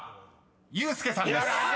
［ユースケさんです］